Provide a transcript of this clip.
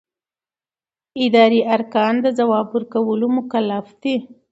اداري ارګان د ځواب ورکولو مکلف دی.